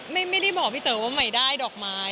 ไม่ได้บอกพี่เต๋อว่าใหม่ได้ดอกไม้